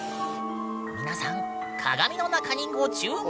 皆さん鏡の中にご注目！